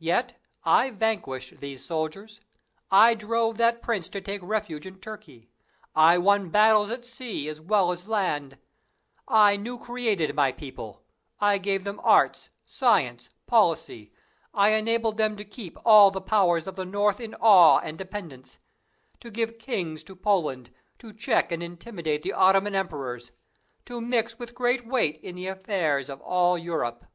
Yet I vanquished these soldiers; I drove that prince to take refuge in Turkey; I won battles at sea as well as land; I new created my people; I gave them arts, science, policy; I enabled them to keep all the powers of the North in awe and dependence, to give kings to Poland, to check and intimidate the Ottoman emperors, to mix with great weight in the affairs of all Europe.